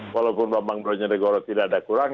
walaupun bambang bronya negoro tidak ada kurang